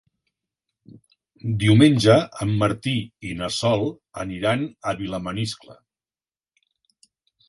Diumenge en Martí i na Sol aniran a Vilamaniscle.